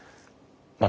まあ